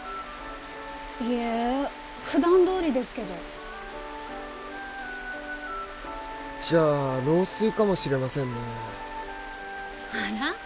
いいえ普段どおりですけどじゃあ漏水かもしれませんねあら？